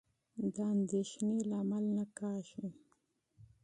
د اندېښنې سبب نه کېږي.